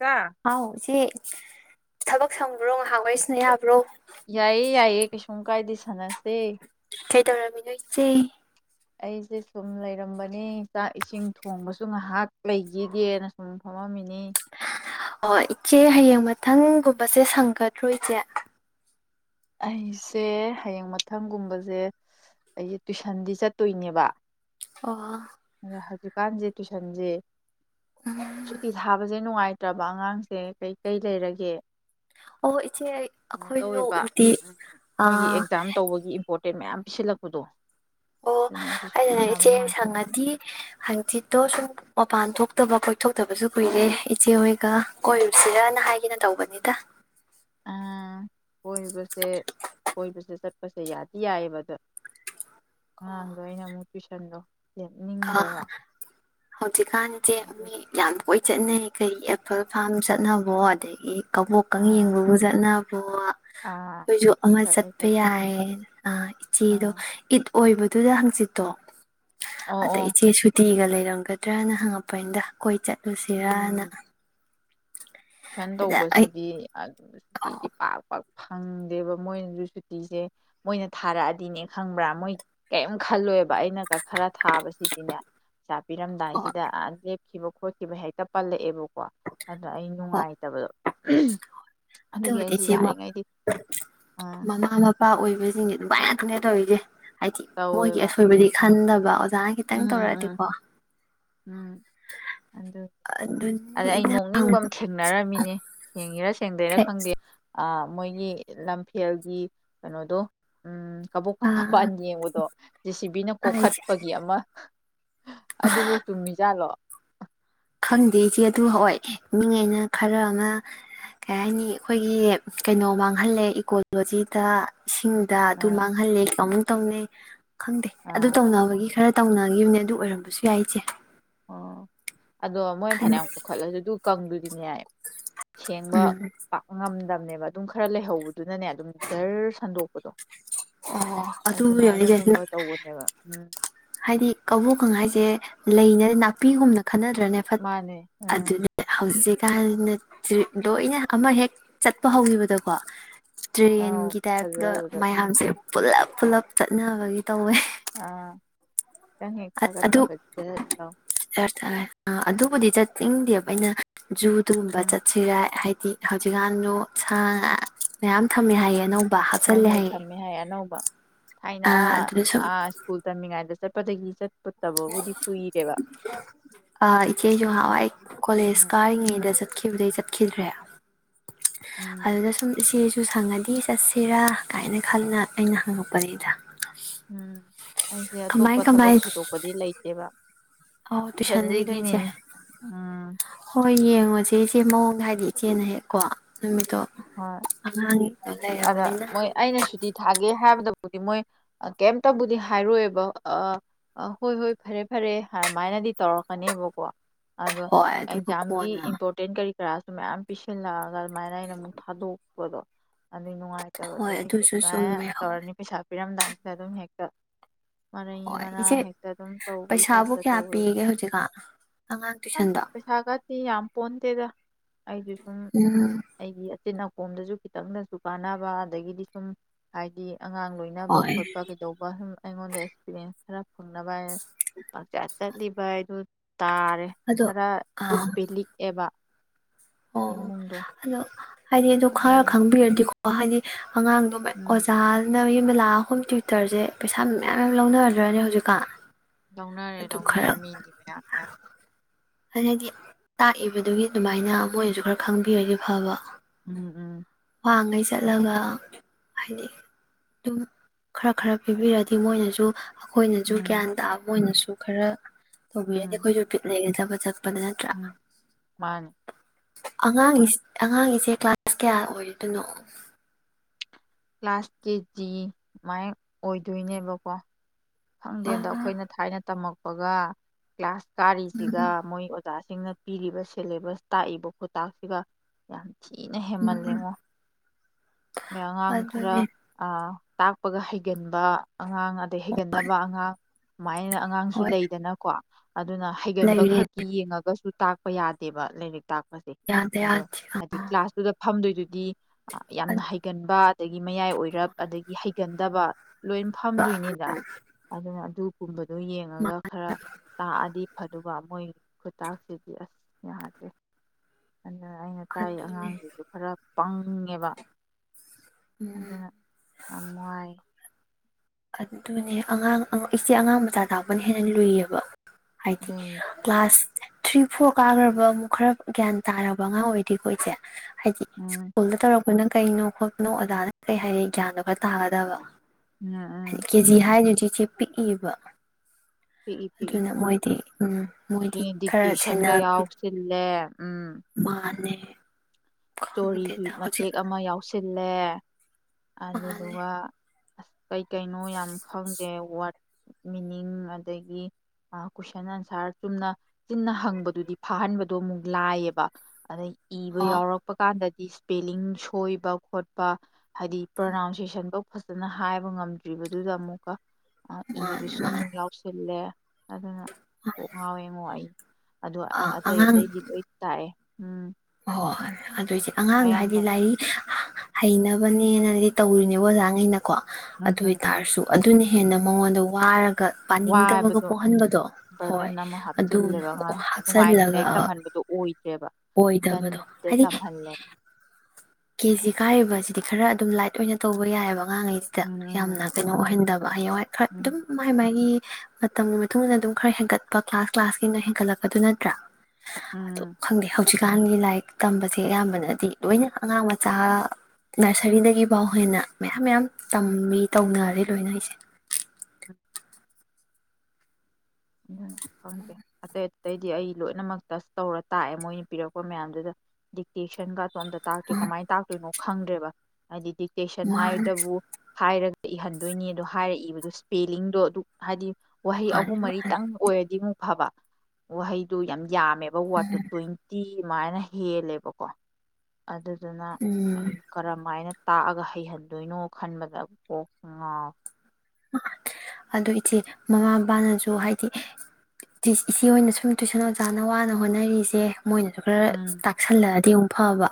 ꯍꯥ ꯍꯥꯎ ꯏꯆꯦ ꯊꯕꯛ ꯁꯪ ꯌꯥꯏꯌꯦ ꯌꯥꯏꯌꯦ ꯀꯩꯁꯨꯝ ꯀꯥꯏꯗꯦ ꯁ ꯁꯟꯅꯥꯁꯦ ꯀꯩꯗꯧꯔꯝꯃꯤ ꯅꯣ ꯏꯆꯦ ꯑꯩꯁꯦ ꯁꯨꯝ ꯂꯩꯔꯝꯕꯅꯤ ꯆꯥꯛ ꯏꯁꯤꯡ ꯊꯣꯡꯕꯁꯨ ꯉꯥꯏꯍꯥꯛ ꯂꯩꯈꯤꯗꯦꯅ ꯁꯨꯝ ꯐꯝꯃꯝꯃꯤ ꯑꯣ ꯏꯆꯦ ꯍꯥꯏꯌꯦꯡ ꯃꯠ ꯊꯪꯒꯨꯝꯕꯁꯦ ꯁꯪꯒꯗ꯭ꯔꯣ ꯏꯆꯦ ꯑꯩꯁꯦ ꯍꯌꯦꯡ ꯃꯊꯪꯒꯨꯝꯕꯁꯦ ꯑꯩꯁꯦ ꯇꯨꯏꯁꯟꯗꯤ ꯆꯠꯇꯣꯏꯅꯦꯕ ꯑꯣ ꯍꯧꯖꯤꯛ ꯀꯥꯟꯖꯦ ꯇꯨꯏꯁꯟꯖꯦ ꯁꯨꯇꯤ ꯊꯥꯕꯖꯦ ꯅꯨꯡꯉꯥꯏ ꯅꯠꯇ꯭ꯔꯕ ꯑꯉꯥꯡꯁꯦ ꯀꯩꯀꯩ ꯂꯩꯔꯒꯦ ꯑꯣ ꯏꯆꯦ ꯑꯩꯈꯣꯏꯂꯣ ꯎꯝ ꯃꯣꯏꯒꯤ ꯑꯦꯛꯖꯥꯝ ꯇꯧꯕꯒꯤ ꯏꯝꯄꯣꯔꯇꯦꯟ ꯃꯌꯥꯝ ꯄꯤꯁꯤꯜꯂꯛꯄꯗꯣ ꯑꯣ ꯑꯗꯨꯅ ꯑꯩꯁꯦ ꯁꯨꯇꯤ ꯑꯩꯅꯅꯦ ꯊꯥꯕ ꯏꯆꯦ ꯅꯨꯡꯉꯥꯏꯇꯕ ꯁꯪꯉꯗꯤ ꯍꯪꯆꯤꯠꯇꯣ ꯁꯨꯝ ꯃꯄꯥꯟ ꯊꯣꯛꯇꯕ ꯀꯣꯏꯊꯣꯛꯇꯕꯁꯨ ꯀꯨꯏꯔꯦ ꯏꯆꯦ ꯍꯣꯏꯒ ꯀꯣꯏꯔꯨꯁꯤꯔꯅ ꯍꯥꯏꯒꯦꯅ ꯇꯧꯕꯅꯤꯗ ꯑ ꯀꯣꯏꯕꯁꯦ ꯀꯣꯏꯕꯁꯦ ꯌꯥꯗꯤ ꯌꯥꯏꯌꯦꯕ ꯑꯗꯣ ꯑꯉꯥꯡꯗꯣ ꯑꯩꯅꯃꯨꯛ ꯇꯨꯏꯁꯟꯗꫭ ꯑ ꯍꯧꯖꯤꯛꯀꯥꯟꯁꯦ ꯑꯗꯨ ꯃꯤ ꯌꯥꯝ ꯀꯣꯏ ꯆꯠꯅꯩ ꯀꯩ ꯑꯦꯄꯜ ꯐꯥꯔꯝ ꯆꯠꯅꯕꯣ ꯑꯗꯒꯤ ꯀꯕꯣꯛꯀꯥꯡ ꯑꯥ ꯌꯦꯡꯕꯕꯨ ꯆꯠꯅꯕ ꯑꯥ ꯑꯩꯈꯣꯏꯁꯨ ꯑꯃ ꯆꯠꯂꯦ ꯆꯠꯄ ꯆꯠꯂꯦ ꯌꯥꯏ ꯏꯆꯦꯗꯣ ꯎꯝ ꯏꯠ ꯑꯣꯏꯕ ꯑꯗꯨꯗ ꯍꯪꯆꯤꯠꯇꯣ ꯑꯣ ꯑꯗ ꯑꯣ ꯏꯆꯦ ꯁꯨꯇꯤꯒ ꯂꯩꯔꯝꯒꯗ꯭ꯔꯅ ꯍꯪꯉꯛꯄꯅꯤꯗ ꯀꯣꯏ ꯆꯠ ꯂꯨꯁꯤꯔꯥꯅ ꯁꯟ ꯇꯧꯕꯁꯤꯗꯤ ꯁꯨꯇꯤꯁꯦ ꯄꯥꯛ ꯄꯥꯛ ꯐꯪꯗꯦꯕ ꯃꯣꯏꯅꯁꯨ ꯁꯨꯇꯤꯁꯦ ꯃꯣꯏꯅ ꯊꯥꯔꯛꯑꯗꯤꯅꯦ ꯈꯪꯕ꯭ꯔꯥ ꯃꯣꯏ ꯀꯔꯤꯝ ꯈꯜꯂꯣꯏꯕ ꯑꯩꯅ ꯒ ꯈꯔ ꯊꯥꯕꯁꯤꯗꯤꯅꯦ ꯄꯩꯁꯥ ꯍꯣꯏ ꯄꯤꯔꯝꯗꯥꯏꯁꯤꯗ ꯈꯤꯕ ꯈꯣꯠꯈꯤꯕ ꯍꯦꯛꯇ ꯄꯜꯂꯛꯑꯦꯕꯀꯣ ꯑꯗꯨꯅ ꯑꯩ ꯍꯣꯏ ꯅꯨꯡꯉꯥꯏꯇꯕꯗꯣ ꯑꯗꯨꯒꯤ ꯑꯗꯨꯕꯨꯗꯤ ꯑꯩꯁꯦ ꯏꯆꯦ ꯌꯥꯔꯤꯉꯩꯗꯤ ꯑꯥ ꯃꯃꯥ ꯃꯄꯥ ꯑꯣꯏꯕꯁꯤꯡꯁꯦ ꯑꯗꯨꯃꯥꯏꯅ ꯅꯦꯗ ꯇꯧꯔꯤꯖꯦ ꯍꯥꯏꯗꯤ ꯃꯣꯏꯒꯤ ꯇꯧꯋꯦꯕ ꯑꯁꯣꯏꯕꯗꯤ ꯈꯟꯗꯕ [inaudible] ꯑꯣꯖꯥꯅ ꯈꯤꯇꯪ ꯎꯝ ꯎꯝ ꯇꯧꯔꯛ ꯑꯗꯤꯀꯣ ꯎꯝ ꯎꯝ ꯑꯗꯨ ꯑꯗꯨꯅꯤ ꯑꯗ ꯑꯩ ꯅꯣꯛꯅꯤꯡꯕ ꯊꯦꯡꯅꯔꯝꯃꯤꯅꯦ ꯁꯦꯡꯉꯦ ꯊꯦꯡꯗꯣꯏꯔꯥ ꯈꯪꯗꯦ ꯑ ꯃꯣꯏꯒꯤ ꯂꯝꯐꯦꯜꯒꯤ ꯀꯩꯅꯣꯗꯣ ꯀꯕꯣꯀꯪ ꯃꯄꯥꯟ ꯌꯦꯡꯕꯗꯣ ꯖꯦ ꯁꯤ ꯕꯤꯅ ꯍꯥꯏꯁꯦ ꯀꯣꯛꯈꯠꯄꯒꯤ ꯑꯃ ꯑꯗꯨꯕꯨ ꯆꯨꯝꯃꯤꯖꯥꯠꯂꯣ ꯈꯪꯗꯦ ꯏꯆꯦ ꯑꯗꯨ ꯍꯣꯏ ꯃꯤ ꯉꯩꯅ ꯈꯔ ꯑꯃꯅ ꯀꯩ ꯍꯥꯏꯅꯤ ꯑꯩꯈꯣꯏꯒꯤ ꯀꯩꯅꯣ ꯃꯥꯡꯍꯜꯂꯦ ꯏꯀꯣꯂꯣꯖꯤꯗ ꯏꯁꯤꯡꯗ ꯑꯗꯨ ꯑꯥ ꯃꯥꯡꯍꯜꯂꯦ ꯑꯃꯨꯛ ꯇꯧꯅꯩ ꯈꯪꯗꯦ ꯑꯗꯨ ꯑꯥ ꯇꯧꯅꯕꯒꯤ ꯈꯔ ꯇꯧꯅꯒꯤꯕꯅꯦ ꯑꯗꯨ ꯑꯣꯏꯔꯝꯕꯁꯨ ꯌꯥꯏ ꯏꯆꯦ ꯑꯣ ꯑꯗꯣ ꯃꯣꯏꯅ ꯈꯪ- ꯐꯅꯌꯥꯝ ꯀꯣꯈꯠꯂꯁꯨ ꯑꯗꯨ ꯀꯪꯗꯨꯗꯤꯅꯦ ꯁꯦꯡꯕ ꯎꯝ ꯄꯥꯛ ꯉꯝ ꯗꯝꯅꯦꯕ ꯑꯗꯨꯝ ꯈꯔ ꯂꯩꯍꯧꯕꯗꯨꯅꯅꯦ ꯑꯗꯨꯝ ꯖꯔ ꯁꯟꯗꯣꯛꯄꯗꯣ ꯑꯗꯨ ꯌꯦꯡꯉꯨꯅꯦ ꯏꯆꯦ ꯑꯗꯨꯃꯥꯏꯅꯒꯨꯝꯕ ꯅ- ꯇꯧꯕꯅꯦꯕ ꯎꯝ ꯍꯥꯏꯗꯤ ꯀꯕꯣꯛꯀꯪ ꯍꯥꯏꯖꯦ ꯂꯩꯅ ꯅꯥꯄꯤꯒꯨꯝꯅ ꯈꯟꯅꯗ꯭ꯔꯅꯦ ꯐꯠ ꯃꯥꯅꯦ ꯎꯝ ꯑꯗꯨꯅꯦ ꯍꯧꯖꯤꯛ ꯍꯧꯖꯤꯛꯀꯥꯟꯖꯤꯅ ꯂꯣꯏꯅ ꯑꯃ ꯍꯦꯛ ꯆꯠꯄ ꯍꯧꯒꯤꯕꯗꯀꯣ ꯑꯥꯎ ꯇ꯭ꯔꯦꯟꯒꯤ ꯇꯥꯏꯞꯇ ꯐꯖꯕꯗꯣ ꯎꯝ ꯃꯌꯥꯝꯁꯦ ꯄꯨꯂꯞ ꯄꯨꯂꯞ ꯆꯠꯅꯕꯒꯤ ꯇꯧꯋꯦ ꯑꯥ ꯈꯤꯇꯪ ꯍꯦꯛ ꯊꯥꯒꯠ ꯑꯗꯨ ꯄꯒ ꯖꯠ ꯂꯥꯎ ꯆꯔ ꯑ ꯑꯗꯨꯕꯨꯗꯤ ꯆꯠꯅꯤꯡꯗꯦꯕ ꯑꯩꯅ ꯖꯨꯗ ꯒꯨꯝꯕ ꯎꯝ ꯆꯠꯁꯤꯔ ꯍꯥꯏꯗꯤ ꯍꯥꯏ ꯍꯧꯖꯤꯛꯀꯥꯟꯗꯣ ꯁꯥ ꯉꯥ ꯃꯌꯥꯝ ꯊꯝꯃꯦ ꯍꯥꯏꯌꯦ ꯑꯅꯧꯕ ꯍꯣꯏ ꯍꯣꯏ ꯊꯝꯃꯦ ꯍꯥꯏꯌꯦ ꯑꯅꯧꯕ ꯊꯥꯏꯅ ꯑꯥ ꯑꯗꯨꯗ ꯑꯥ ꯁ꯭ꯀꯨꯜ ꯇꯝꯃꯤꯉꯥꯏꯗ ꯆꯠ ꯄꯗꯒꯤ ꯆꯠ ꯑ ꯏꯆꯦꯁꯨ ꯅꯍꯥꯟꯋꯥꯏ ꯀꯣꯂꯦꯖ ꯎꯝ ꯀꯥꯔꯤꯉꯩꯗꯆꯠ ꯆꯠꯈꯤꯕꯗꯩ ꯆꯠꯈꯤꯗ꯭ꯔꯦ ꯎꯝ ꯑꯗꯨꯗ ꯁꯨꯝ ꯏꯆꯦꯁꯨ ꯁꯨ ꯁꯪꯉꯗꯤ ꯆꯠꯁꯤꯔꯥ ꯀꯥꯏꯅ ꯈꯂ ꯑꯩꯅ ꯍꯪꯉꯛꯄꯅꯤꯗ ꯎꯝ ꯑꯩꯁꯦ ꯀꯃꯥꯏ ꯑꯇꯣꯞꯄ ꯊꯕꯛ ꯀꯃꯥꯏ ꯊꯣꯏꯗꯣꯛꯄꯗꯤ ꯂꯩꯇꯦꯕ ꯑꯧ ꯇꯨꯏꯁꯟꯒꯤꯗꯣ ꯏꯆꯦ ꯇꯨꯏꯁꯟꯁꯤꯒꯤꯅꯤꯅꯦ ꯎꯝ ꯍꯣꯏ ꯌꯦꯡꯉꯣꯁꯦ ꯏꯆꯦ ꯃꯑꯣꯡ ꯍꯥꯏꯗꯤ ꯏꯆꯦꯅ ꯍꯦꯛꯀꯣ ꯅꯨꯃꯤꯠꯇꯣ ꯍꯣꯏ ꯑꯉꯥꯡꯒꯤꯗꯣ ꯑꯗ ꯂꯩꯔꯕꯅꯤꯅ ꯃꯣꯏ ꯑꯩꯅ ꯁꯨꯇꯤ ꯊꯥꯒꯦ ꯍꯥꯏꯕꯗ ꯗꯤ ꯃꯣꯏ ꯀꯩꯝꯇꯕꯨꯗꯤ ꯍꯥꯏꯔꯛꯑꯣꯏꯕ ꯑ ꯍꯣꯏ ꯍꯣꯏ ꯐꯔꯦ ꯐꯔꯦ ꯍ ꯑꯗꯨꯃꯥꯏꯅꯗꯤ ꯇꯧꯔꯛꯀꯅꯦꯕꯀꯣ ꯑꯗꯣ ꯍꯣꯏ ꯑꯗꯨꯒ ꯑꯦꯛꯖꯥꯝꯒꯤ ꯀꯣꯟꯅ ꯏꯝꯄꯣꯔꯇꯦꯟ ꯀꯔꯤ ꯀꯔꯥꯁꯨ ꯃꯌꯥꯝ ꯄꯤꯁꯤꯜꯂꯛꯑꯒ ꯑꯗꯨꯃꯥꯏꯅ ꯑꯩꯅ ꯑꯃꯨꯛ ꯊꯥꯗꯣꯛꯄꯗꯣ ꯑꯗꯨꯏ ꯍꯣꯏ ꯅꯨꯡꯉꯥꯏꯇꯕꯗꯒꯤꯗꯤ ꯑꯗꯨꯁꯨ ꯑꯗꯨꯃꯥꯏꯅ ꯆꯨꯝꯃꯦ ꯍꯣꯏ ꯇꯧꯔꯅꯤ ꯄꯩꯁꯥ ꯄꯤꯔꯝꯗꯥꯏꯁꯤꯗ ꯑꯗꯨꯝ ꯍꯦꯛꯇ ꯃꯔꯩ ꯍꯣꯏ ꯏꯆꯦ ꯃꯔꯅꯥ ꯍꯦꯛꯇ ꯑꯗꯨꯝ ꯇꯧꯕꯒꯤ ꯄꯩꯁꯥꯕꯨ ꯇꯥꯏꯞꯇ ꯀꯌꯥ ꯇꯧꯋꯦꯕ ꯄꯤꯒꯦ ꯍꯧꯖꯤꯛꯀꯥꯟ ꯑꯉꯥꯡ ꯑꯁ ꯇꯨꯏꯁꯟꯗꯣ ꯄꯩꯁꯥ ꯒꯗꯤ ꯌꯥꯝ ꯄꯣꯟꯇꯦꯗ ꯑꯩꯁꯨ ꯁꯨꯝ ꯎꯝ ꯑꯩꯒꯤ ꯏꯆꯦꯠ ꯅꯥꯀꯣꯝꯗꯁꯨ ꯈꯤꯇꯪꯗꯁꯨ ꯀꯥꯟꯅꯕ ꯑꯗꯒꯤꯗꯤ ꯁꯨꯝ ꯍꯥꯏꯗꯤ ꯑꯉꯥꯡ ꯂꯣꯏꯅꯕ ꯍꯣꯏ ꯈꯣꯠꯄ ꯀꯩꯗꯧꯕ ꯁꯨꯝ ꯑꯩꯉꯣꯟꯗ ꯑꯦꯛꯁꯄꯤꯔꯤꯌꯦꯟꯁ ꯈꯔ ꯐꯪꯅꯕ ꯄꯪꯆꯠ ꯆꯠꯂꯤꯕ ꯍꯥꯏꯗꯨꯅꯤ ꯇꯥꯔꯦ ꯑꯗꯣ ꯈꯔ ꯑꯥ ꯀꯨꯞꯄꯦ ꯂꯤꯛꯑꯦꯕ ꯑꯣ ꯏꯃꯨꯡꯗꯣ ꯑꯗꯣ ꯍꯥꯏꯗꯤ ꯑꯗꯣ ꯈꯔ ꯈꯪꯕꯤꯔꯗꯤꯀꯣ ꯍꯥꯏꯗꯤ ꯑꯉꯥꯡꯗꯣ ꯎꯝ ꯑꯣꯖꯥꯅ ꯗ ꯂꯥꯛꯑ ꯍꯣꯝ ꯇ꯭ꯌꯨꯇꯔꯁꯦ ꯄꯩꯁꯥ ꯃꯌꯥꯝ ꯃꯌꯥꯝ ꯂꯧꯅꯔꯁꯨ ꯅꯦ ꯍꯧꯖꯤꯛꯀꯥꯟ ꯂꯧꯅꯔꯦ ꯑꯗꯨ ꯈꯔ ꯂꯧꯅꯔꯦ ꯃꯤꯗꯤ ꯃꯌꯥꯝ ꯃꯌꯥꯝ ꯍꯥꯏꯗꯤ ꯇꯥꯛꯏꯕꯗꯨꯒꯤ ꯑꯗꯨꯃꯥꯏꯅ ꯃꯣꯏꯅꯁꯨ ꯈꯔ ꯈꯪꯕꯤꯔꯗꯤ ꯐꯕ ꯎꯝ ꯎꯝ ꯄꯥꯡꯉꯩ ꯆꯠꯂꯒ ꯍꯥꯏꯗꯤ ꯑꯗꯨꯝ ꯈꯔ ꯈꯔ ꯄꯤꯕꯤꯔꯗꯤ ꯃꯣꯏꯅꯁꯨ ꯑꯩꯈꯣꯏꯅꯁꯨ ꯎꯝ ꯒ꯭ꯌꯥꯟ ꯇꯥꯕꯣꯏ ꯃꯣꯏꯅꯁꯨ ꯑꯗꯨ ꯈꯔ ꯎꯝ ꯇꯧꯕꯤꯔꯗꯤ ꯑꯩꯈꯣꯏꯁꯨ ꯕꯤꯠ ꯂꯩꯔꯦꯗ [unintelligible] ꯎꯝ ꯃꯥꯅꯤ ꯑꯉꯥꯡ ꯑꯉꯥꯡꯒꯤꯁꯦ ꯀ꯭ꯂꯥꯁ ꯀꯌꯥ ꯑꯣꯏ ꯗꯨꯅꯣ ꯀ꯭ꯂꯥꯁ ꯀꯦꯖꯤ ꯃꯥꯏ ꯑꯣꯏꯗꯣꯏꯅꯦꯕꯀꯣ ꯈꯪꯗꯦꯗ ꯑ ꯑꯩꯈꯣꯏꯅ ꯊꯥꯏꯅ ꯇꯝꯃꯛ ꯑꯣꯖꯥ ꯀ꯭ꯂꯥꯁ ꯀꯥꯔꯤꯁꯤꯒ ꯎꯝ ꯃꯣꯏ ꯑꯣꯖꯥꯁꯤꯡꯅ ꯄꯤꯔꯤꯕ ꯁꯦꯂꯦꯕꯁ ꯇꯥꯛꯏꯕ ꯈꯨꯇꯥꯛꯁꯤꯒ ꯌꯥꯝ ꯊꯤꯅ ꯎꯝ ꯍꯦꯃꯜꯂꯦꯉꯣ ꯃꯤ ꯑꯉꯥꯡ ꯈꯔ ꯑꯗꯨꯅꯦ ꯑꯥ ꯇꯥꯛꯄꯒ ꯍꯩꯒꯟꯕ ꯗꯕ ꯑꯉꯥꯡ ꯁꯨꯃꯥꯏꯅ ꯑꯉꯥꯡꯁꯨ ꯍꯣꯏ ꯂꯩꯗꯅꯀꯣ ꯑꯗꯨꯅ ꯍꯩꯒꯟꯕ ꯂꯩꯔꯦ ꯈꯛꯀꯤ ꯌꯦꯡꯉꯒꯁꯨ ꯇꯥꯛꯄ ꯌꯥꯗꯦꯕ ꯂꯥꯏꯔꯤꯛ ꯇꯥꯛꯄꯁꯦ ꯌꯥꯗ ꯑꯗꯣ ꯌꯥꯗꯦ ꯍꯥꯏꯗꯤ ꯀ꯭ꯂꯥꯁꯇꯨꯗ ꯐꯝꯗꯣꯏꯗꯨꯣꯏ ꯒꯤ ꯌꯥꯝꯅ ꯍꯩꯒꯟꯕ ꯒꯤ ꯃꯌꯥꯏ ꯑꯣꯏꯔꯞ ꯑꯗꯒꯤ ꯍꯩ ꯒꯟꯗꯕꯥ ꯂꯣꯏ ꯐꯝꯗꯣꯏꯅꯤꯗ ꯑꯗꯨꯒꯨꯝꯕ ꯑꯗꯨ ꯌꯦꯡꯉꯒ ꯈꯔ ꯇꯥꯛꯑꯗꯤ ꯐ ꯑꯗꯨꯒ ꯃꯣꯏ ꯈꯨꯇꯥꯛꯁꯤꯗꯤ ꯑꯁ ꯌꯥꯗꯦ ꯑꯗꯨꯅ ꯑꯩꯅ ꯇꯥꯏ ꯑꯗꯨꯅꯦ ꯑꯉꯥꯡꯁꯤꯁꯨ ꯈꯔ ꯄꯪꯉꯦꯕ ꯎꯝ ꯑꯗꯨꯅ ꯌꯥꯝ ꯋꯥꯏ ꯑꯗꯨꯅꯦ ꯑꯉꯥꯡ ꯏꯆꯦ ꯑꯉꯥꯡ ꯃꯆꯥ ꯇꯥꯛꯄꯅ ꯍꯦꯟꯅ ꯂꯨꯏꯌꯦꯕ ꯍꯥꯏꯗꯤ ꯑꯗꯨꯒꯤ ꯀ꯭ꯂꯥꯁ ꯊ꯭ꯔꯤ ꯐꯣꯔ ꯀꯥꯈ꯭ꯔꯕ ꯑꯃꯨꯛ ꯈꯔ ꯒ꯭ꯌꯥꯟ ꯇꯥꯔꯕ ꯑꯉꯥꯡ ꯑꯣꯏꯗꯤꯀꫭ ꯑꯩꯈꯣꯏꯁꯦ ꯍꯥꯏꯗꯤ ꯎꯝ ꯁ꯭ꯀꯨꯜꯗ ꯇꯧꯔꯛꯄ ꯑꯩꯈꯣꯏꯅ ꯀꯩꯅꯣ ꯈꯣꯠꯄꯅꯣ ꯑꯣꯖꯥꯅ ꯀꯩ ꯍꯥꯏꯔꯤ ꯒ꯭ꯌꯥꯟꯗꯣ ꯈꯔ ꯇꯥꯒꯗꯕ ꯎꯝ ꯎꯝ ꯆꯄꯤ ꯏꯕ ꯑꯗꯨꯅ ꯃꯣꯏꯗꯤ ꯎꯝ ꯃꯣꯏꯗꯤ ꯑꯗꯨꯒꯤ ꯈꯔ ꯗꯤꯛꯇꯦꯁꯟꯒ ꯁꯦꯟꯅꯕꯤ ꯌꯥꯎꯁꯤꯜꯂꯦ ꯎꯝ ꯃꯥꯜꯂꯦ ꯏꯁꯇꯣꯔꯤꯒꯤ ꯈꯪꯗꯦꯗ ꯍꯧꯖꯤꯛ ꯃꯇꯦꯛ ꯑꯃ ꯌꯥꯎꯁꯤꯜꯂꯦ ꯃꯥꯜꯂꯦ ꯑꯗꯨꯗꯨꯒꯥ ꯑꯁ ꯀꯩ ꯀꯩꯅꯣ ꯌꯥꯝ ꯈꯪꯗꯦ ꯋꯥꯔꯗ ꯃꯤꯅꯤꯡ ꯑꯗꯒꯤ ꯀꯣꯏꯁꯟ ꯑꯟꯁꯥꯔ ꯆꯨꯝꯅ ꯆꯤꯟꯅ ꯍꯪꯕꯗꯨꯗꯤ ꯐꯥꯍꯟꯕꯗꯣ ꯑꯃꯨꯛ ꯂꯥꯏꯌꯦꯕ ꯑꯗꯩ ꯏꯕ ꯑꯣ ꯌꯥꯎꯔꯛꯄ ꯀꯥꯟꯗꯗꯤ ꯏꯁꯄꯦꯂꯤꯡ ꯁꯣꯏꯕ ꯈꯣꯠꯄ ꯍꯥꯏꯗꯤ ꯄ꯭ꯔꯅꯥꯎꯟꯁꯦꯁꯟꯐꯧ ꯐꯖꯅ ꯍꯥꯏꯕ ꯉꯝꯗ꯭ꯔꯤꯕꯗꯨꯗ ꯑꯃꯨꯛꯀ ꯃꯥꯅꯦ ꯏꯕꯁꯨ ꯃꯥꯅꯦ ꯑꯃꯨꯛ ꯌꯥꯎꯁꯜꯂꯦ ꯑꯗꯨꯅ ꯀꯣꯛ ꯉꯥꯎꯋꯤꯉꯣ ꯑꯩ ꯑꯗꯣ ꯑꯥ ꯑꯇꯩ ꯑꯇꯩꯗꯤ ꯂꯣꯏ ꯇꯥꯛꯑꯦ ꯎꯝ ꯑꯣꯏ ꯑꯗꯨꯑꯣꯏꯗꯤ ꯑꯉꯥꯡꯗ ꯍꯥꯏꯗꯤ ꯑꯌꯥꯝꯕ ꯂꯥꯏꯔꯤꯛ ꯍꯩꯅꯕꯅꯦꯅꯗꯤ ꯇꯧꯔꯤꯅꯦꯕ ꯑꯣꯖꯥꯉꯩꯅꯀꯣ ꯎꯝ ꯑꯗꯨ ꯎꯝ ꯎꯝ ꯑꯣꯏꯇꯥꯔꯁꯨ ꯑꯗꯨꯅꯤ ꯍꯦꯟꯅ ꯃꯉꯣꯟꯗ ꯋꯥꯔꯒ ꯄꯥꯅꯤꯡꯗꯕꯒ ꯋꯥꯕꯗꯣ ꯄꯣꯛꯍꯟꯕꯗꯣ ꯍꯣꯏ ꯕꯔꯗꯟ ꯑꯃ ꯑꯗꯨ ꯍꯥꯞꯆꯤꯜꯂꯦꯕ ꯑꯉꯥꯡꯁꯤꯡꯗ ꯅꯨꯡꯉꯥꯏꯅ ꯍꯥꯞꯆꯜꯂꯒ ꯂꯔꯤꯛ ꯇꯝꯍꯟꯕꯗꯣ ꯑꯣꯏꯗ꯭ꯔꯦꯕ ꯑꯣꯏꯗꯕꯗꯣ ꯗꯟꯗ ꯍꯥꯏꯗꯤ ꯇꯝꯍꯜꯂꯦꯕ ꯀꯦꯖꯤ ꯀꯥꯏꯔꯤꯕꯁꯤꯗꯤ ꯈꯔ ꯑꯗꯨꯝ ꯂꯥꯏꯠ ꯑꯣꯏꯅ ꯇꯧꯕ ꯌꯥꯏꯑꯕ ꯑꯉꯥꯡꯉꯩꯁꯤꯗ ꯎꯝ ꯌꯥꯝꯅ ꯀꯩꯅꯣ ꯑꯣꯏꯍꯟꯗꯕ ꯍꯩꯋꯥꯏ ꯈꯔ ꯑꯗꯨꯝ ꯎꯝ ꯃꯥꯥꯏ ꯃꯥꯒꯤ ꯃꯇꯝꯒꯤ ꯃꯇꯨꯡꯟꯅ ꯑꯗꯨꯝ ꯈꯔ ꯍꯦꯟꯒꯠꯄ ꯀ꯭ꯂꯥꯁ ꯀ꯭ꯂꯥꯁꯀꯤꯅ ꯍꯦꯟꯒꯠꯂꯛꯀꯗꯨ ꯅꯠꯇ꯭ꯔꯥ ꯑꯗꯣ ꯎꯝ ꯈꯪꯗꯦ ꯍꯧꯖꯤꯛ ꯍꯧꯖꯤꯛꯀꯥꯟꯒꯤ ꯂꯥꯏꯔꯤꯛ ꯇꯝꯕꯁꯦ ꯑꯌꯥꯝꯕꯅꯗꯤ ꯂꯣꯏꯅ ꯑꯉꯥꯡ ꯃꯆꯥ ꯅꯔꯁꯔꯤꯗꯒꯤꯐꯥꯎ ꯍꯦꯟꯅ ꯃꯌꯥꯝ ꯃꯌꯥꯝ ꯇꯝꯃꯤ ꯇꯧꯅꯔꯦ ꯂꯣꯏꯅ ꯑꯩꯁꯦ ꯎꯝ ꯍꯦ ꯑꯥꯇꯩ ꯑꯇꯩ ꯑꯗꯩꯗꯤ ꯑꯩ ꯂꯣꯏꯅꯃꯛ ꯇꯁ ꯇꯧꯔ ꯇꯥꯛꯑꯦ ꯃꯣꯏꯅ ꯄꯤꯔꯛꯄ ꯃꯌꯥꯝꯗꯨꯗ ꯗꯤꯛꯇꯦꯛꯁꯟꯒ ꯁꯣꯝꯗ ꯇꯥꯛꯇꯦ ꯀꯃꯥꯏ ꯇꯥꯛꯇꯣꯏꯅꯣ ꯈꯪꯗ꯭ꯔꯦꯕ ꯍꯥꯏꯗꯤ ꯗꯤꯛꯇꯦꯁꯟ ꯃꯥꯅꯤ ꯍꯥꯏꯗꯕꯨ ꯍꯥꯏꯔꯒ ꯏꯍꯟꯗꯣꯏꯅꯤ ꯑꯗꯣ ꯍꯥꯏꯔ ꯏꯕꯗ ꯏꯁꯄꯦꯂꯤꯡꯗꯣ ꯑꯗꯨꯛ ꯍꯥꯏꯗꯤ ꯋꯥꯍꯩ ꯃꯥꯅꯤ ꯑꯍꯨꯝ ꯃꯔꯤ ꯃꯥꯅꯤ ꯈꯤꯇꯪ ꯑꯣꯏꯔꯗꯤ ꯑꯃꯨꯛ ꯐꯕ ꯋꯥꯍꯩꯗꯨ ꯌꯥꯝ ꯌꯥꯝꯃꯦꯕ ꯋꯥꯔꯠꯇꯨ ꯇ꯭ꯋꯦꯟꯇꯤ ꯃꯥꯏꯅ ꯍꯦꯜꯂꯦꯕꯀꯣ ꯑꯗꯨ ꯑꯗꯨꯅ ꯎꯝ ꯑꯩ ꯀꯔꯃꯥꯏꯅ ꯇꯥꯛꯑꯒ ꯍꯩꯍꯟꯗꯣꯏꯅꯣ ꯈꯟꯕꯗ ꯀꯣꯛ ꯉꯥꯎ ꯑꯗꯨ ꯏꯆꯦ ꯃꯃꯥ ꯃꯄꯥꯅꯁꯨ ꯍꯥꯏꯗꯤ ꯏꯆꯦ ꯍꯣꯏꯅ ꯁꯨꯝ ꯇꯨꯏꯁꯟ ꯑꯣꯖꯥꯅ ꯋꯥꯅ ꯍꯣꯠꯅꯔꯤꯁꯦ ꯃꯣꯏꯅꯁꯨ ꯈꯔ ꯎꯝ ꯇꯥꯛꯁꯜꯂꯛꯑꯗꯤ ꯑꯃꯨꯛ ꯐꯕ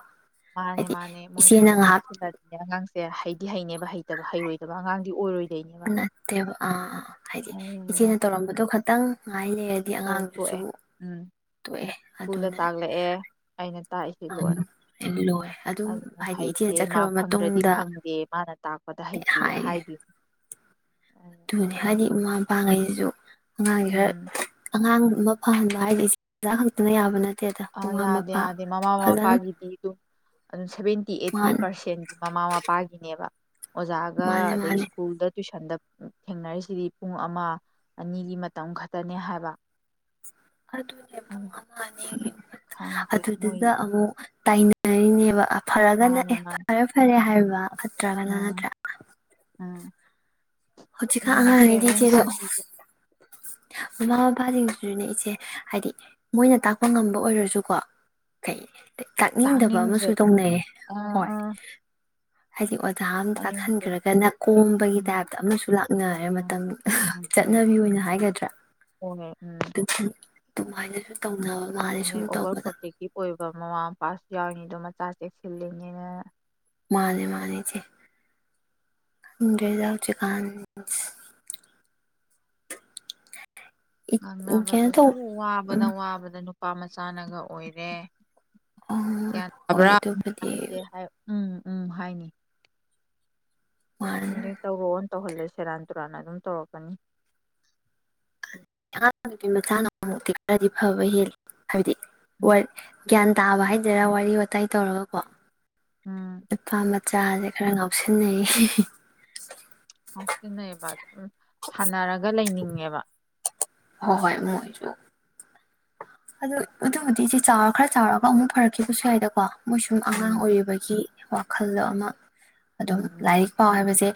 ꯃꯥꯅꯦ ꯍꯥꯏꯗꯤ ꯃꯥꯅꯦ ꯏꯆꯦꯅ ꯃꯣꯏꯅꯒ ꯉꯥꯏꯍꯥꯛ ꯇꯥꯛꯁꯤꯜꯂꯗꯤꯅꯦ ꯑꯉꯥꯡꯁꯦ ꯍꯩꯗꯤ ꯍꯩꯅꯦꯕ ꯍꯩꯇꯕ ꯍꯩꯔꯣꯏꯗꯕ ꯑꯉꯥꯡꯗꯤ ꯑꯣꯏꯔꯣꯏ ꯅꯠꯇꯦꯕ ꯑꯥ ꯍꯥꯏꯗꯤ ꯏꯆꯦꯅ ꯇꯧꯔꯝꯕꯗꯨ ꯈꯇꯪ ꯉꯥꯏ ꯂꯩꯔꯗꯤ ꯑꯣ ꯑꯉꯥꯡꯗꯨꯁꯨ ꯇꯣꯛꯑꯦ ꯎꯝ ꯇꯣꯛꯑꯦ ꯁ꯭ꯀꯨꯜꯗ ꯑꯗꯨꯅ ꯇꯥꯛꯂꯛꯑꯦ ꯑꯩꯅ ꯇꯥꯛꯏꯁꯤ ꯂꯣꯏꯔꯦ ꯂꯣꯏ ꯑꯗꯨ ꯑꯗꯨꯅ ꯍꯥꯏꯗꯤ ꯏꯆꯦ ꯍꯩꯇꯦ ꯃꯥꯛ ꯆꯠꯈ꯭ꯔꯕ ꯐꯪꯗ꯭ꯔꯗꯤ ꯃꯇꯨꯡꯗ ꯐꯪꯗꯦ ꯃꯥꯅ ꯇꯥꯛꯄꯗ ꯍꯩꯇꯦ ꯍꯥꯏꯗꯣꯏꯅꯤ ꯑꯗꯨꯅꯦ ꯍꯥꯏꯗꯤ ꯃꯃꯥ ꯃꯄꯥꯥ [unintelligible] [unintelligible] ꯑꯉꯥꯡ ꯈꯔ ꯎꯝ ꯑꯉꯥꯡ ꯑꯃ ꯐꯍꯟꯕ ꯍꯥꯏꯖꯤ ꯑꯣꯖꯥ ꯈꯛꯇꯅ ꯌꯥꯕ [unintelligible] ꯑ ꯃꯃꯥ ꯌꯥꯗꯦ ꯃꯄꯥ ꯌꯥꯗꯦ ꯃꯃꯥ ꯐꯖꯅ ꯃꯄꯥꯒꯤꯗꯤ [unintelligible] ꯁꯚꯦꯟꯇꯤ ꯑꯩꯠꯇꯤ ꯃꯥꯅꯦ ꯄꯥꯔꯁꯦꯟꯗꯤ ꯃꯃꯥ ꯃꯄꯥꯒꯤꯅꯦꯕ ꯑꯣꯖꯥꯒ ꯃꯥꯅꯦ ꯑꯗꯩ ꯃꯥꯅꯦ ꯁ꯭ꯀꯨꯜꯗ ꯇꯨꯏꯁꯟꯗ ꯊꯦꯡꯅꯔꯤꯁꯤꯗꯤ ꯄꯨꯡ ꯑꯃ ꯑꯅꯤꯒꯤ ꯃꯇꯝ ꯈꯛꯇꯅꯦ ꯍꯥꯏꯕ [unintelligible] [unintelligible] ꯈꯪꯗꯦ ꯃꯣꯏ ꯑꯗꯨꯗꯨꯗ ꯑꯃꯨꯛ ꯇꯥꯏꯅꯔꯤꯅꯦꯕ ꯐꯔꯒ ꯃꯥꯅꯦ [unintelligible] ꯃꯥꯅꯦ ꯐꯔꯦ ꯐꯔꯦ ꯍꯥꯏꯕ ꯐꯠꯇ꯭ꯔꯒꯅ ꯎꯝ ꯅꯠꯇ꯭ꯔ ꯎꯝ ꯍꯧꯋꯤꯛꯀꯥꯟ ꯑꯗꯨꯅ ꯑꯉꯥꯡꯒꯩꯗꯤ ꯏꯆꯦ ꯑꯗꯣ ꯄꯦꯔꯦꯟꯁꯁꯤꯡꯁꯤꯁꯨ ꯃꯃꯥ ꯃꯄꯥꯁꯤꯡꯁꯤꯁꯨꯅꯦ ꯏꯆꯦ ꯍꯥꯏꯗꯤ ꯃꯣꯏꯅ ꯇꯥꯛꯄ ꯉꯝꯕ ꯑꯣꯏꯔꯁꯨꯀꯣ ꯀꯩ ꯇꯥꯛꯅꯤꯡꯗꯕ ꯑꯃꯁꯨ ꯇꯥꯡꯅꯤꯡꯗ꯭ꯔꯦ ꯇꯧꯅꯩꯌꯦ ꯑꯥ ꯍꯣꯏ ꯑꯥ ꯍꯥꯏꯗꯤ ꯑꯣꯖꯥ ꯑꯃ ꯇꯥꯡꯅꯤꯡꯗ꯭ꯔꯦ ꯇꯥꯛꯍꯟꯈ꯭ꯔꯒꯅ ꯀꯣꯝꯕꯒꯤ ꯎꯝ ꯇꯥꯏꯞꯇ ꯑꯃꯁꯨ ꯂꯥꯛꯅꯔꯦ ꯎꯝ ꯃꯇꯝ ꯎꯝ ꯎꯝ ꯆꯠꯅꯕꯤ ꯑꯣꯏꯅ ꯍꯥꯏꯒꯗ꯭ꯔꯥ ꯍꯣꯏ ꯎꯝ ꯗꯨꯃꯥꯏꯅꯁꯨ ꯇꯧ ꯑꯣꯚꯔ ꯄ꯭ꯔꯣꯇꯦꯛꯇꯤꯞ ꯑꯣꯏꯕ ꯃꯃꯥ ꯃꯄꯥꯥꯁꯨ ꯌꯥꯎꯔꯤꯅꯦ ꯑꯗꯣ ꯃꯆꯥ ꯆꯦꯛꯁꯤꯜꯂꯤꯅꯦꯅ ꯃꯥꯅꯦ ꯃꯥꯅꯦ ꯏꯆꯦ ꯈꯪꯗ꯭ꯔꯦꯗ ꯍꯧꯖꯤꯛꯀꯥꯟꯖꯦ ꯀꯩꯅꯣ ꯇꯧ ꯉꯥꯡꯅꯕꯗꯁꯨ ꯋꯥꯕꯗ ꯋꯥꯕꯗ ꯅꯨꯄꯥ ꯃꯆꯥꯅꯒ ꯑꯣꯏꯔꯦ ꯎꯝ ꯒ꯭ꯌꯥꯟ ꯍꯣꯏ ꯇꯥꯕ꯭ꯔꯥ ꯑꯗꯨꯕꯨꯗꯤ ꯍꯥꯏꯁꯦ ꯍꯥꯏ ꯎꯝ ꯎꯝ ꯍꯥꯏꯅꯤ ꯎꯝꯗ ꯇꯧꯔꯛꯑꯣ ꯇꯧꯍꯜꯂꯦ ꯁꯦꯔꯥꯟ ꯇꯨꯔꯥꯟ ꯑꯗꯨꯝ ꯇꯧꯔꯛꯀꯅꯤ ꯑꯉꯥꯡ ꯅꯨꯄꯤ ꯃꯆꯥꯅ ꯑꯃꯨꯛꯇꯤ ꯈꯔꯗꯤ ꯐꯕ ꯍꯦꯜꯂꯤ ꯍꯥꯏꯕꯗꯤ ꯋꯥ ꯒ꯭ꯌꯥꯟ ꯇꯥꯕ ꯍꯥꯏꯗꯩꯔꯥ ꯋꯥꯔꯤ ꯋꯇꯥꯏ ꯇꯧꯔꯒꯀꯣ ꯎꯝ ꯅꯨꯄꯃ ꯆꯥꯁꯦ ꯈꯔ ꯉꯥꯎꯁꯤꯟꯅꯩꯌꯦ ꯉꯥꯎꯁꯤꯟꯅꯩꯌꯦꯕ ꯎꯝ ꯁꯥꯟꯅꯔꯒ ꯂꯩꯅꯤꯡꯉꯦꯕ ꯍꯣꯏ ꯍꯣꯏ ꯃꯣꯏꯁꯨ ꯑꯗꯨ ꯑꯗꯨꯕꯨꯗꯤ ꯏꯆꯦ ꯆꯥꯎꯔ ꯈꯔ ꯆꯥꯎꯔꯒ ꯑꯃꯨꯛ ꯐꯔꯛꯈꯤꯕꯁꯨ ꯌꯥꯏꯗꯀꯣ ꯃꯣꯏ ꯁꯨꯝ ꯑꯉꯥꯡ ꯎꯝ ꯑꯣꯏꯔꯤꯕꯒꯤ ꯋꯥꯈꯜꯗꯣ ꯑꯃ ꯑꯗꯨꯝ ꯎꯝ ꯎꯝ ꯂꯥꯏꯔꯤꯛ ꯄꯥꯎ ꯍꯥꯏꯕꯁꯦ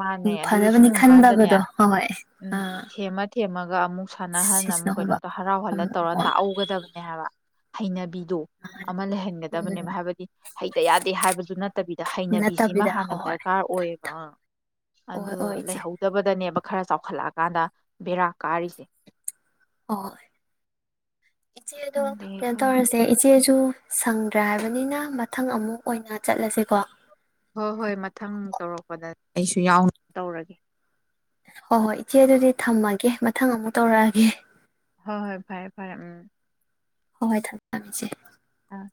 ꯃꯥꯅꯦ ꯑꯗꯨꯗꯤ ꯐꯅꯕꯅꯤ ꯁꯨꯡꯉꯀꯥꯟꯗꯅꯦ ꯈꯟꯗꯕꯗꯣ ꯍꯣꯏ ꯍꯣꯏ ꯑꯥ ꯁꯥꯟꯅꯍꯜꯟꯅ ꯁꯤꯁꯤꯅ ꯑꯃꯨꯛ ꯀꯩꯅꯣ ꯍꯨꯝꯕ ꯍꯔꯥꯎꯍꯜꯂ ꯑꯃꯨꯛ ꯇꯧꯔ ꯍꯣꯏ ꯇꯥꯛꯍꯧꯒꯗꯕꯅꯦ ꯍꯥꯏꯕ ꯍꯩꯅꯕꯤ ꯗꯣ ꯑꯃ ꯂꯩꯍꯟꯒꯗꯕꯅꯦꯕ ꯎꯝ ꯍꯥꯏꯕꯗꯤ ꯍꯩꯇ ꯌꯥꯗꯦ ꯍꯥꯏꯕꯗꯨ ꯅꯠꯇꯕꯤꯗ ꯍꯩꯅ ꯁꯤꯃ ꯅꯠꯇꯕꯤꯗ ꯍꯥꯟꯅ ꯍꯣꯏ ꯗꯔꯀꯥꯔ ꯑꯣꯏꯌꯦꯕ ꯍꯣꯏ ꯑꯥ ꯍꯣꯏ ꯑꯗꯨ ꯍꯣꯏ ꯏꯆꯦ ꯂꯩꯍꯧꯗꯕꯗꯅꯦꯕ ꯈꯔ ꯆꯥꯎꯈꯠ ꯍꯜꯂꯛꯑꯀꯥꯟꯗ ꯕꯦꯔꯥ ꯀꯥꯔꯤꯁꯦ ꯑꯣ ꯏꯆꯦꯗꯣ ꯈꯪꯗꯦ ꯀꯩꯅꯣ ꯈꯪꯗꯦ ꯇꯧꯔꯁꯦ ꯏꯆꯦ ꯑꯗꯨꯨ ꯁꯪꯗ꯭ꯔꯥ ꯍꯥꯏꯕꯅꯤꯅ ꯃꯊꯪ ꯑꯃꯨꯛ ꯑꯣꯏꯅ ꯆꯠꯂꯁꯦꯀꯣ ꯍꯣ ꯍꯣꯏ ꯃꯊꯪ ꯇꯧꯔꯛꯄꯗ ꯑꯩꯁꯨ ꯌꯥꯎꯅ ꯇꯧꯔꯒꯦ ꯍꯣꯏ ꯍꯣꯏ ꯏꯆꯦ ꯑꯗꯨꯗꯤ ꯊꯝꯃꯒꯦ ꯃꯊꯪ ꯑꯃꯨꯛ ꯇꯧꯔꯛꯑꯒꯦ ꯍꯣꯏ ꯍꯣꯏ ꯐꯔꯦ ꯐꯔꯦ ꯎꯝ ꯍꯣꯏ ꯍꯣꯏ ꯊꯝꯃꯦ ꯊꯝꯃꯦ ꯏꯆꯦ ꯑꯥ